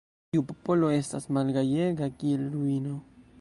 Tiu popolo estas malgajega, kiel ruino.